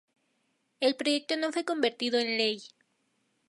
El proyecto no fue convertido en ley.